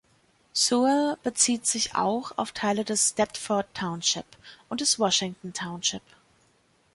Sewell bezieht sich auch auf Teile des Deptford Township und des Washington Township.